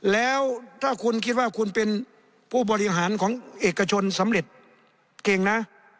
แล้วถ้าคุณคิดว่าคุณเป็นผู้บริหารของเอกชนสำเร็จเก่งนะ